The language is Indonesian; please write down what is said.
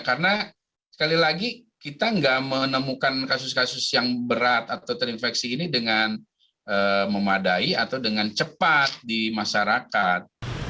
karena sekali lagi kita tidak menemukan kasus kasus yang berat atau terinfeksi ini dengan memadai atau dengan cepat di masyarakat